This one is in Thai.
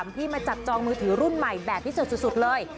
ที่มาจับจองมือถือรุ่นใหม่แบบที่สุดเลย